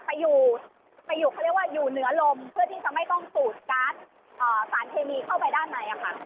ไปอยู่เขาเรียกว่าอยู่เหนือลมเพื่อที่จะไม่ต้องสูดการ์ดสารเคมีเข้าไปด้านในค่ะ